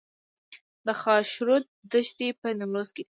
د خاشرود دښتې په نیمروز کې دي